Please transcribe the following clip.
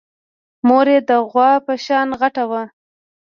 مور يې د غوا په شان غټه وه.